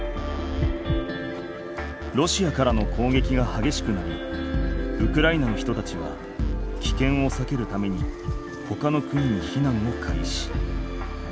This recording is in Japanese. ロシアからの攻撃がはげしくなりウクライナの人たちはきけんをさけるためにほかの国に避難を開始。